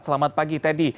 selamat pagi teddy